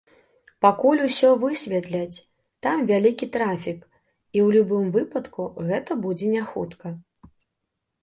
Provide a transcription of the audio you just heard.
Пакуль усё высвятляць, там вялікі трафік, і ў любым выпадку, гэта будзе няхутка.